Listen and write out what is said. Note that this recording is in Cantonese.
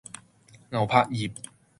牛柏葉